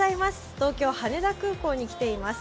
東京・羽田空港に来ています